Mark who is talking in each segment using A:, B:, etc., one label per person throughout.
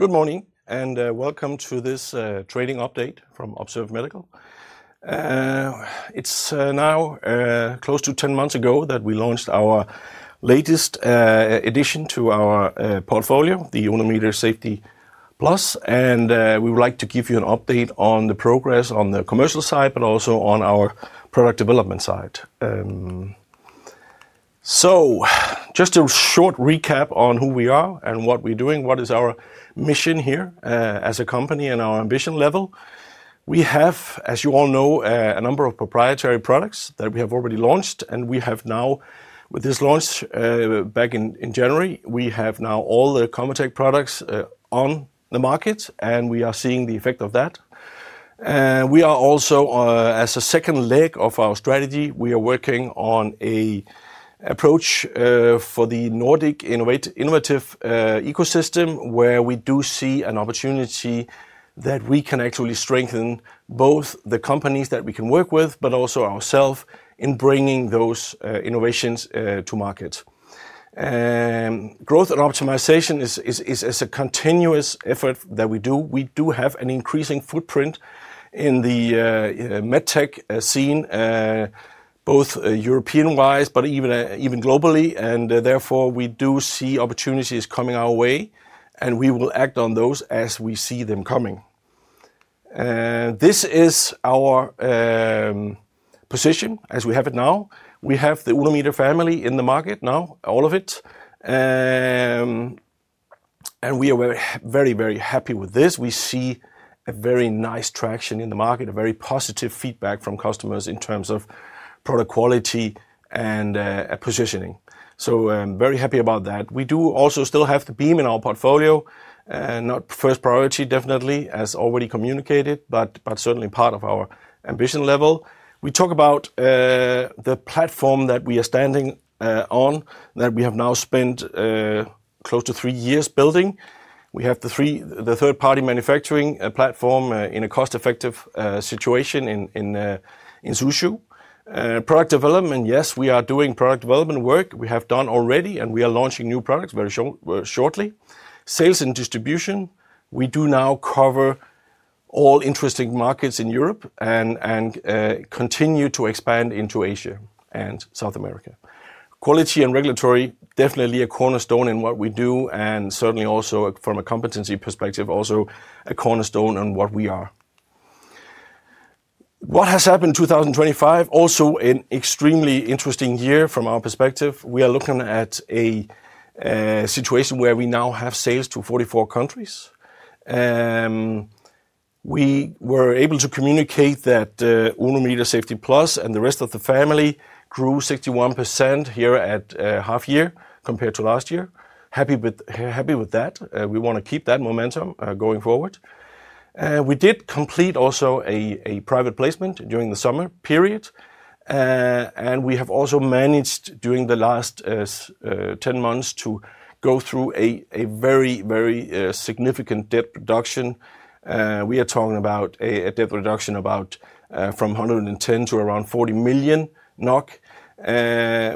A: Good morning and welcome to this trading update from Observe Medical. It's now close to 10 months ago that we launched our latest addition to our portfolio, the Oona Meter Safety Plus. We would like to give you an update on the progress on the commercial side, but also on our product development side. Just a short recap on who we are and what we're doing, what is our mission here as a company and our ambition level. We have, as you all know, a number of proprietary products that we have already launched. We have now, with this launch back in January, all the Comatec products on the market and we are seeing the effect of that. As a second leg of our strategy, we are working on an approach for the Nordic innovative ecosystem where we do see an opportunity that we can actually strengthen both the companies that we can work with, but also ourselves in bringing those innovations to market. Growth and optimization is a continuous effort that we do. We do have an increasing footprint in the medtech scene, both European-wise, but even globally. We do see opportunities coming our way and we will act on those as we see them coming. This is our position as we have it now. We have the Oona Meter family in the market now, all of it. We are very, very happy with this. We see a very nice traction in the market, a very positive feedback from customers in terms of product quality and positioning. I'm very happy about that. We do also still have the beam in our portfolio, not first priority definitely, as already communicated, but certainly part of our ambition level. We talk about the platform that we are standing on, that we have now spent close to three years building. We have the third-party manufacturing platform in a cost-effective situation in Zushu. Product development, yes, we are doing product development work. We have done already and we are launching new products very shortly. Sales and distribution, we do now cover all interesting markets in Europe and continue to expand into Asia and South America. Quality and regulatory definitely a cornerstone in what we do and certainly also from a competency perspective, also a cornerstone on what we are. What has happened in 2025, also an extremely interesting year from our perspective. We are looking at a situation where we now have sales to 44 countries. We were able to communicate that Oona Meter Safety Plus and the rest of the family grew 61% here at half year compared to last year. Happy with that. We want to keep that momentum going forward. We did complete also a private placement during the summer period. We have also managed during the last 10 months to go through a very, very significant debt reduction. We are talking about a debt reduction from 110 million to around 40 million NOK,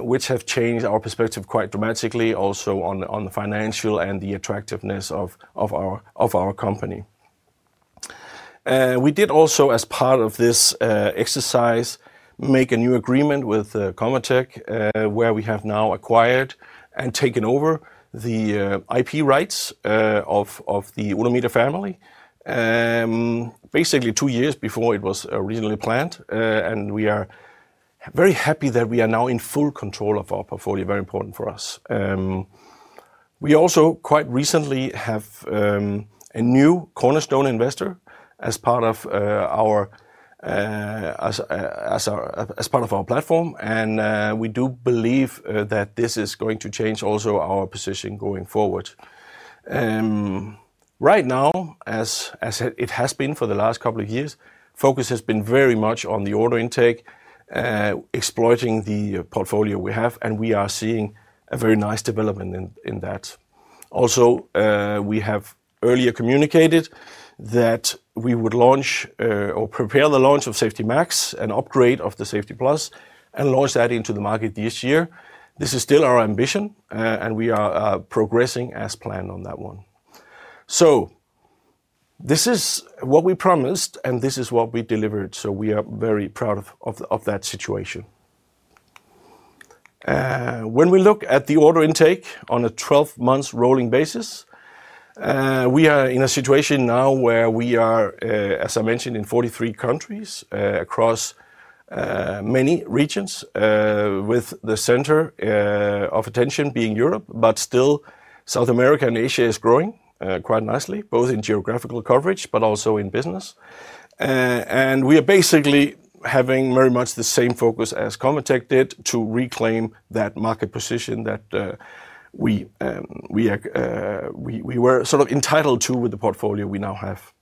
A: which has changed our perspective quite dramatically also on the financial and the attractiveness of our company. We did also, as part of this exercise, make a new agreement with Comatec where we have now acquired and taken over the IP rights of the Oona Meter family, basically two years before it was originally planned. We are very happy that we are now in full control of our portfolio, very important for us. We also quite recently have a new cornerstone investor as part of our platform. We do believe that this is going to change also our position going forward. Right now, as it has been for the last couple of years, focus has been very much on the order intake, exploiting the portfolio we have, and we are seeing a very nice development in that. We have earlier communicated that we would launch or prepare the launch of Safety Max and upgrade of the Safety Plus and launch that into the market this year. This is still our ambition and we are progressing as planned on that one. This is what we promised and this is what we delivered. We are very proud of that situation. When we look at the order intake on a 12 months rolling basis, we are in a situation now where we are, as I mentioned, in 43 countries across many regions, with the center of attention being Europe, but still South America and Asia is growing quite nicely, both in geographical coverage but also in business. We are basically having very much the same focus as Comatec did to reclaim that market position that we were sort of entitled to with the portfolio we now have.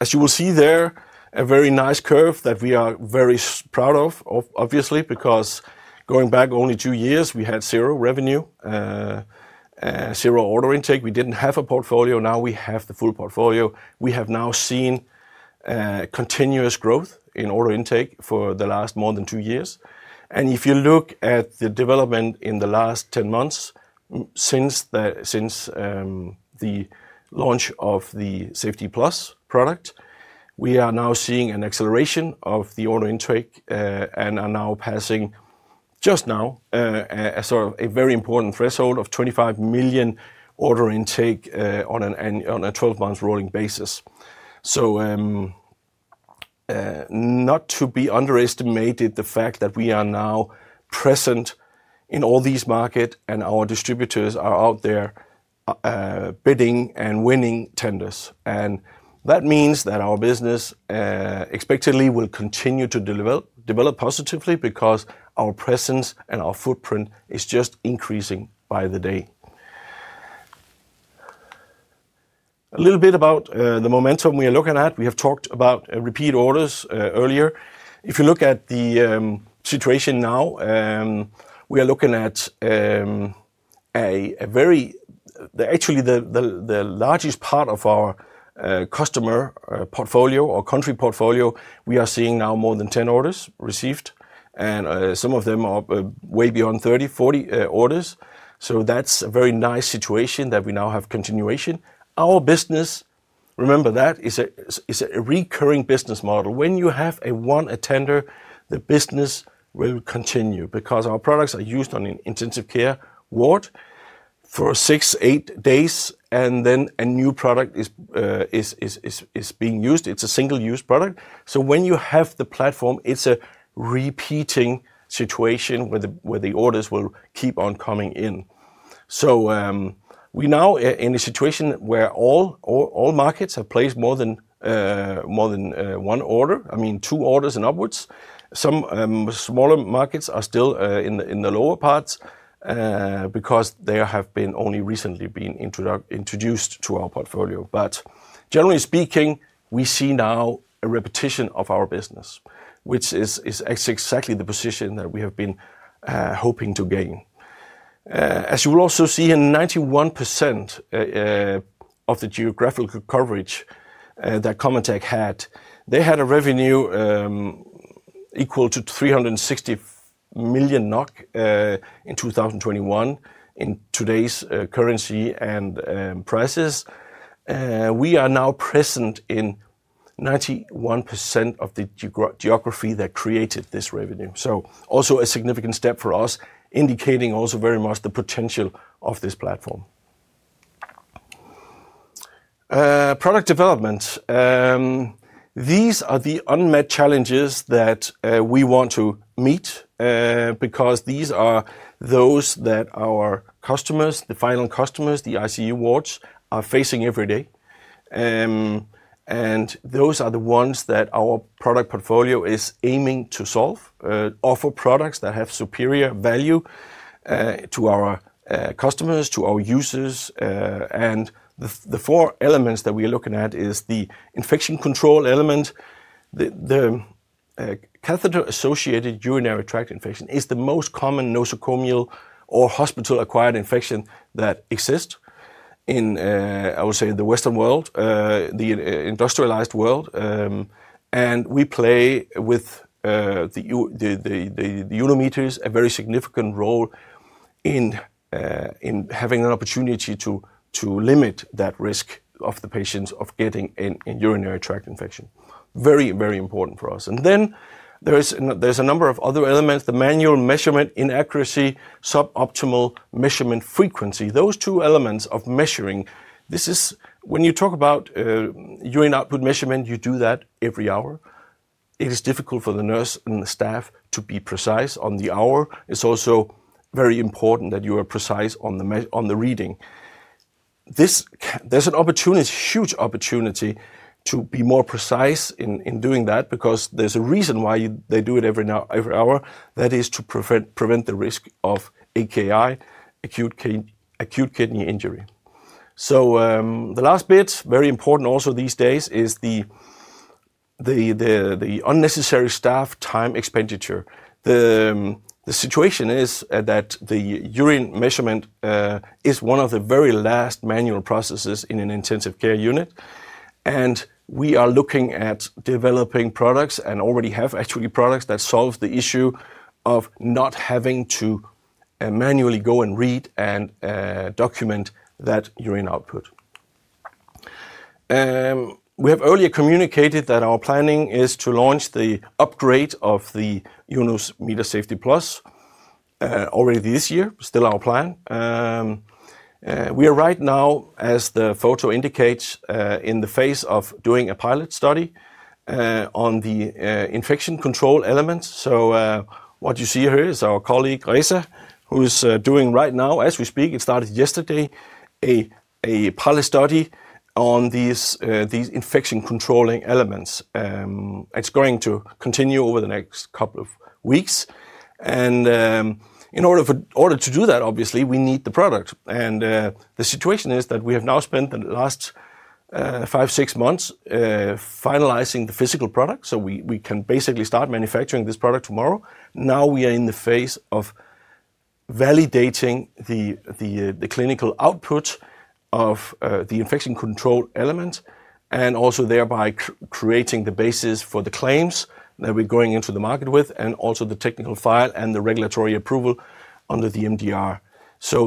A: As you will see there, a very nice curve that we are very proud of, obviously, because going back only two years, we had zero revenue, zero order intake. We did not have a portfolio. Now we have the full portfolio. We have now seen continuous growth in order intake for the last more than two years. If you look at the development in the last 10 months since the launch of the Safety Plus product, we are now seeing an acceleration of the order intake and are now passing just now a very important threshold of 25 million order intake on a 12-month rolling basis. Not to be underestimated, the fact that we are now present in all these markets and our distributors are out there bidding and winning tenders. That means that our business expectedly will continue to develop positively because our presence and our footprint is just increasing by the day. A little bit about the momentum we are looking at. We have talked about repeat orders earlier. If you look at the situation now, we are looking at a very, actually the largest part of our customer portfolio or country portfolio, we are seeing now more than 10 orders received. Some of them are way beyond 30, 40 orders. That's a very nice situation that we now have continuation. Our business, remember that, is a recurring revenue model. When you have a one attender, the business will continue because our products are used on an intensive care ward for six, eight days, and then a new product is being used. It's a single-use product. When you have the platform, it's a repeating situation where the orders will keep on coming in. We now are in a situation where all markets have placed more than one order, I mean two orders and upwards. Some smaller markets are still in the lower parts because they have been only recently introduced to our portfolio. Generally speaking, we see now a repetition of our business, which is exactly the position that we have been hoping to gain. As you will also see, in 91% of the geographical coverage that Comatec had, they had a revenue equal to 360 million NOK in 2021 in today's currency and prices. We are now present in 91% of the geography that created this revenue. Also a significant step for us, indicating also very much the potential of this platform. Product development. These are the unmet challenges that we want to meet because these are those that our customers, the final customers, the ICU wards are facing every day. Those are the ones that our product portfolio is aiming to solve, offer products that have superior value to our customers, to our users. The four elements that we are looking at are the infection control element. The catheter-associated urinary tract infection is the most common nosocomial or hospital-acquired infection that exists in, I would say, the Western world, the industrialized world. We play with the Oona Meters a very significant role in having an opportunity to limit that risk of the patients of getting a urinary tract infection. Very, very important for us. There are a number of other elements, the manual measurement inaccuracy, suboptimal measurement frequency. Those two elements of measuring, this is when you talk about urine output measurement, you do that every hour. It is difficult for the nurse and the staff to be precise on the hour. It's also very important that you are precise on the reading. There's a huge opportunity to be more precise in doing that because there's a reason why they do it every hour. That is to prevent the risk of AKI, acute kidney injury. The last bit, very important also these days, is the unnecessary staff time expenditure. The situation is that the urine measurement is one of the very last manual processes in an intensive care unit. We are looking at developing products and already have actually products that solve the issue of not having to manually go and read and document that urine output. We have earlier communicated that our planning is to launch the upgrade of the Oona Meter Safety Plus already this year. Still our plan. We are right now, as the photo indicates, in the phase of doing a pilot study on the infection control elements. What you see here is our colleague Raisa, who is doing right now, as we speak, it started yesterday, a pilot study on these infection controlling elements. It's going to continue over the next couple of weeks. In order to do that, obviously, we need the product. The situation is that we have now spent the last five, six months finalizing the physical product. We can basically start manufacturing this product tomorrow. Now we are in the phase of validating the clinical output of the infection control element and also thereby creating the basis for the claims that we're going into the market with and also the technical file and the regulatory approval under the MDR.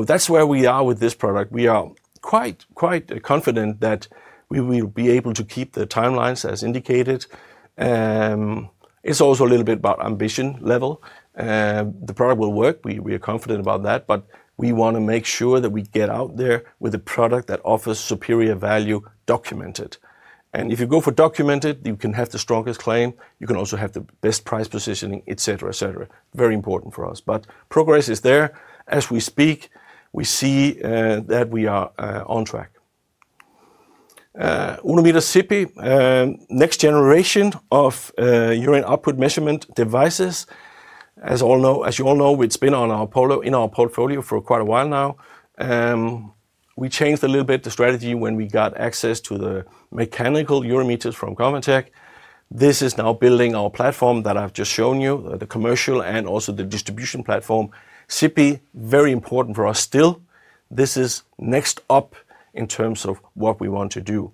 A: That's where we are with this product. We are quite, quite confident that we will be able to keep the timelines as indicated. It's also a little bit about ambition level. The product will work. We are confident about that. We want to make sure that we get out there with a product that offers superior value documented. If you go for documented, you can have the strongest claim. You can also have the best price positioning, etc., etc. Very important for us. Progress is there. As we speak, we see that we are on track. Oona Meter Safety, next generation of urine output measurement devices. As you all know, it's been in our portfolio for quite a while now. We changed a little bit the strategy when we got access to the mechanical urometers from Comatec. This is now building our platform that I've just shown you, the commercial and also the distribution platform. Safety, very important for us still. This is next up in terms of what we want to do.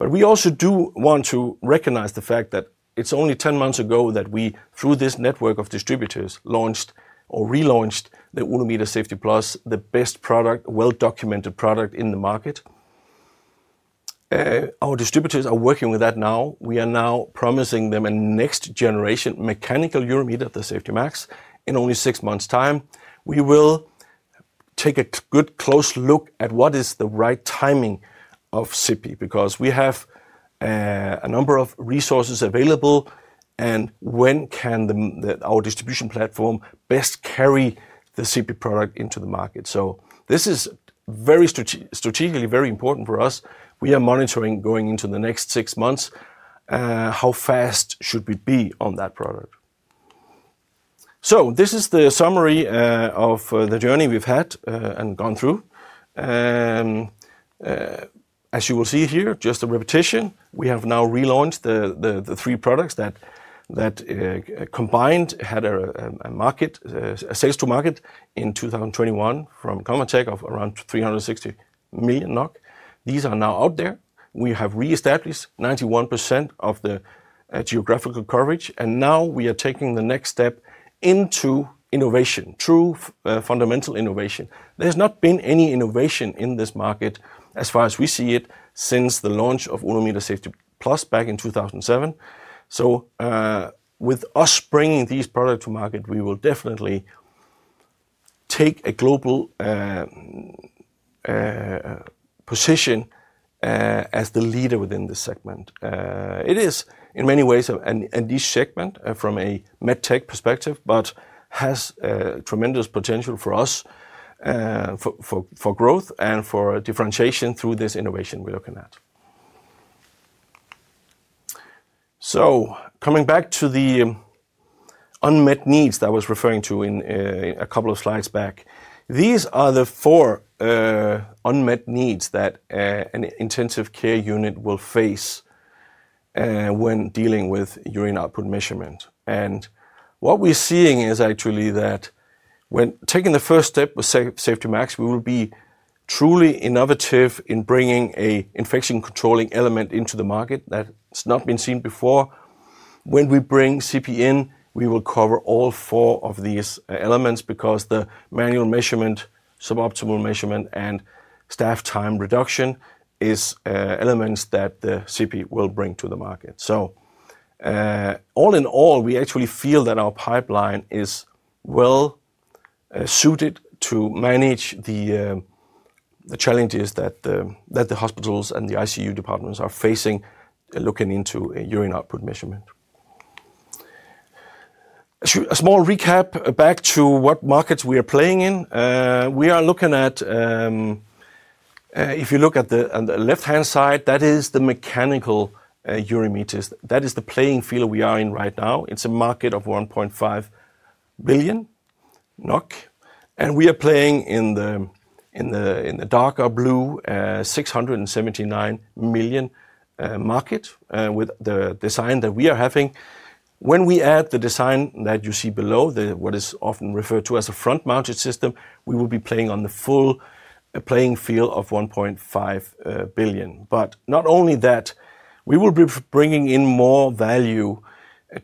A: We also do want to recognize the fact that it's only 10 months ago that we, through this network of distributors, launched or relaunched the Oona Meter Safety Plus, the best product, a well-documented product in the market. Our distributors are working with that now. We are now promising them a next generation mechanical urometer of the Safety Max in only six months' time. We will take a good close look at what is the right timing of Safety because we have a number of resources available and when can our distribution platform best carry the Safety product into the market. This is very strategically very important for us. We are monitoring going into the next six months, how fast should we be on that product. This is the summary of the journey we've had and gone through. As you will see here, just a repetition, we have now relaunched the three products that combined had a sales-to-market in 2021 from Comatec of around 360 million NOK. These are now out there. We have reestablished 91% of the geographical coverage. Now we are taking the next step into innovation, true fundamental innovation. There's not been any innovation in this market as far as we see it since the launch of Oona Meter Safety Plus back in 2007. With us bringing these products to market, we will definitely take a global position as the leader within this segment. It is in many ways a niche segment from a medtech perspective, but has tremendous potential for us, for growth, and for differentiation through this innovation we're looking at. Coming back to the unmet needs that I was referring to in a couple of slides back, these are the four unmet needs that an intensive care unit will face when dealing with urine output measurement. What we're seeing is actually that when taking the first step with Safety Max, we will be truly innovative in bringing an infection controlling element into the market that has not been seen before. When we bring Safety in, we will cover all four of these elements because the manual measurement, suboptimal measurement, and staff time reduction are elements that the Safety will bring to the market. All in all, we actually feel that our pipeline is well suited to manage the challenges that the hospitals and the intensive care units are facing looking into a urine output measurement. A small recap back to what markets we are playing in. We are looking at, if you look at the left-hand side, that is the mechanical urometers. That is the playing field we are in right now. It's a market of 1.5 billion NOK. We are playing in the darker blue 679 million market with the design that we are having. When we add the design that you see below, what is often referred to as a front-mounted system, we will be playing on the full playing field of 1.5 billion. Not only that, we will be bringing in more value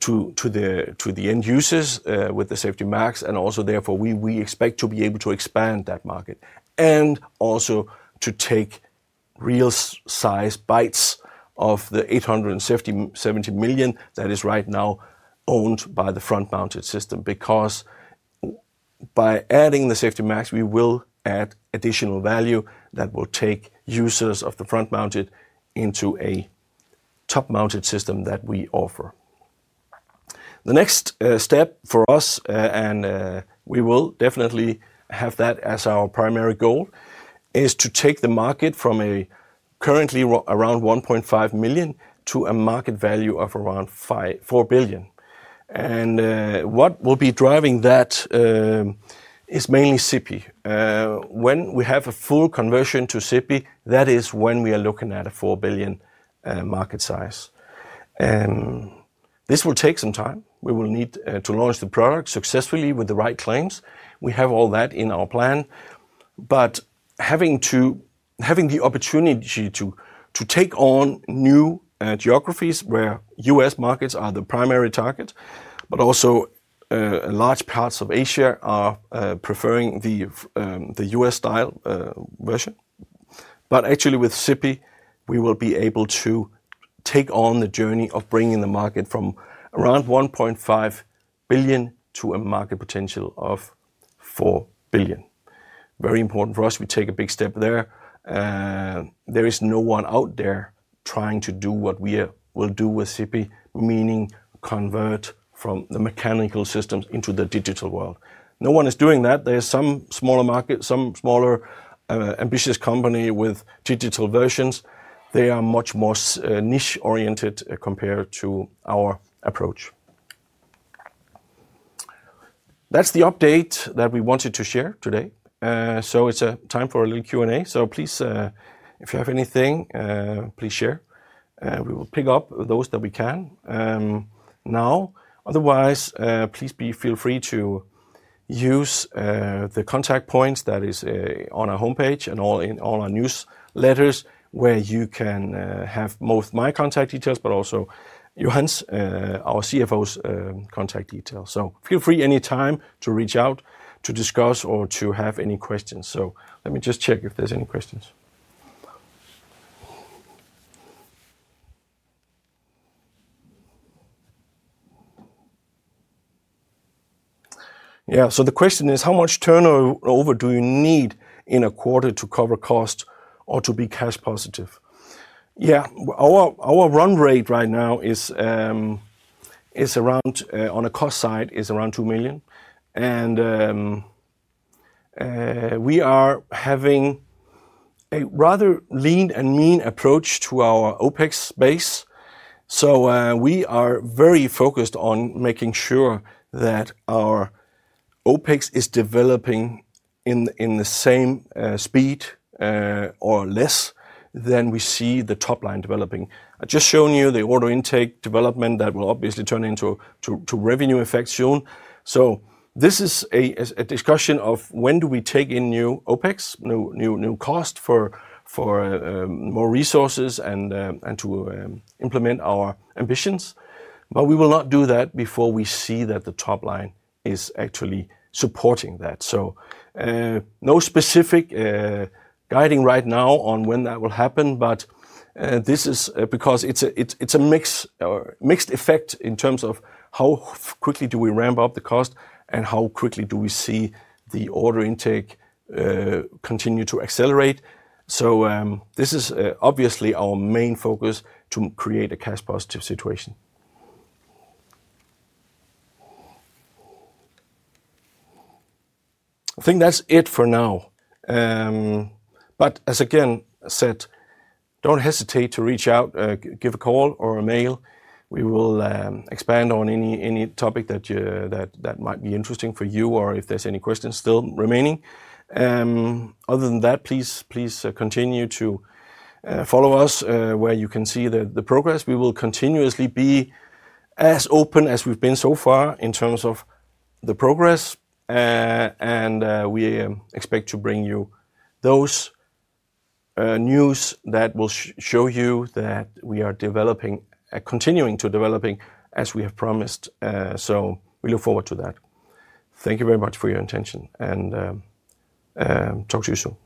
A: to the end users with the Safety Max. Therefore, we expect to be able to expand that market and also to take real-size bites of the 870 million that is right now owned by the front-mounted system. By adding the Safety Max, we will add additional value that will take users of the front-mounted into a top-mounted system that we offer. The next step for us, and we will definitely have that as our primary goal, is to take the market from currently around 1.5 billion to a market value of around 4 billion. What will be driving that is mainly Safety. When we have a full conversion to Safety, that is when we are looking at a 4 billion market size. This will take some time. We will need to launch the product successfully with the right claims. We have all that in our plan. Having the opportunity to take on new geographies where U.S. markets are the primary target, but also large parts of Asia are preferring the US-style version. Actually, with Safety, we will be able to take on the journey of bringing the market from around 1.5 billion to a market potential of 4 billion. Very important for us. We take a big step there. There is no one out there trying to do what we will do with Safety, meaning convert from the mechanical systems into the digital world. No one is doing that. There are some smaller markets, some smaller ambitious companies with digital versions. They are much more niche-oriented compared to our approach. That's the update that we wanted to share today. It's time for a little Q&A. Please, if you have anything, please share. We will pick up those that we can now. Otherwise, please feel free to use the contact points that are on our homepage and all our newsletters where you can have both my contact details, but also Johan's, our CFO's contact details. Feel free anytime to reach out to discuss or to have any questions. Let me just check if there's any questions. Yeah. The question is, how much turnover do you need in a quarter to cover costs or to be cash positive? Our run rate right now is around, on a cost side, is around $2 million. We are having a rather lean and mean approach to our OpEx base. We are very focused on making sure that our OpEx is developing in the same speed or less than we see the top line developing. I've just shown you the order intake development that will obviously turn into revenue effects soon. This is a discussion of when do we take in new OpEx, new cost for more resources and to implement our ambitions. We will not do that before we see that the top line is actually supporting that. No specific guiding right now on when that will happen. This is because it's a mixed effect in terms of how quickly do we ramp up the cost and how quickly do we see the order intake continue to accelerate. This is obviously our main focus to create a cash-positive situation. I think that's it for now. As again said, don't hesitate to reach out, give a call, or a mail. We will expand on any topic that might be interesting for you or if there's any questions still remaining. Other than that, please continue to follow us where you can see the progress. We will continuously be as open as we've been so far in terms of the progress. We expect to bring you those news that will show you that we are continuing to develop as we have promised. We look forward to that. Thank you very much for your attention. Talk to you soon.